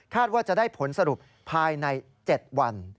ว่าจะได้ผลสรุปภายใน๗วัน